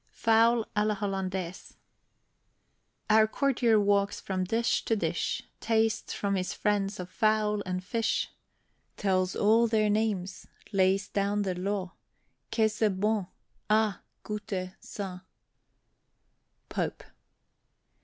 FOWL À LA HOLLANDAISE. Our courtier walks from dish to dish, Tastes from his friends of fowl and fish, Tells all their names, lays down the law, "Que ça est bon." "Ah! goutez ça." POPE.